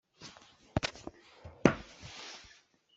Ṭhudan kha rak pu tuah.